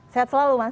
sehat selalu mas